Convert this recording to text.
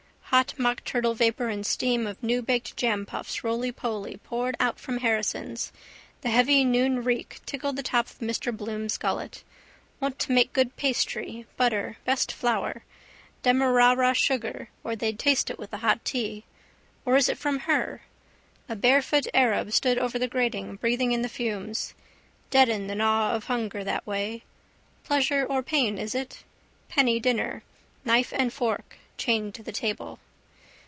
Hot mockturtle vapour and steam of newbaked jampuffs rolypoly poured out from Harrison's. The heavy noonreek tickled the top of Mr Bloom's gullet. Want to make good pastry, butter, best flour, Demerara sugar, or they'd taste it with the hot tea. Or is it from her? A barefoot arab stood over the grating, breathing in the fumes. Deaden the gnaw of hunger that way. Pleasure or pain is it? Penny dinner. Knife and fork chained to the table.